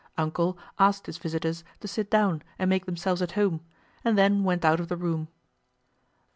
"Uncle" asked his visitors to sit down and make themselves at home, and then went out of the room.